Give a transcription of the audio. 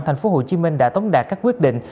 thành phố hồ chí minh đã tống đạt các quyết định